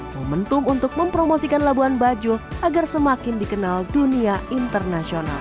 momentum untuk mempromosikan labuan bajo agar semakin dikenal dunia internasional